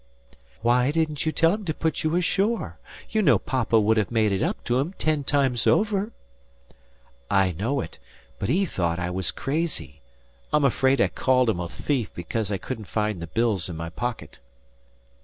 "Why didn't you tell him to put you ashore? You know Papa would have made it up to him ten times over." "I know it; but he thought I was crazy. I'm afraid I called him a thief because I couldn't find the bills in my pocket."